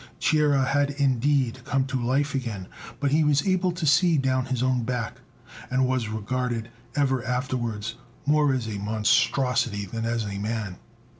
Chia had indeed come to life again, but he was able to see down his own back, and was regarded ever afterwards more as a monstrosity than as a man.